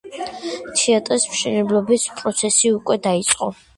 თეატრის მშენებლობის პროცესი უკვე დაიწყო.